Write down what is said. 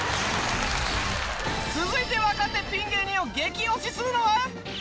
続いて若手ピン芸人を激推しするのは？